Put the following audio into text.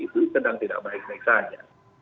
itu sedang tidak baik baik saja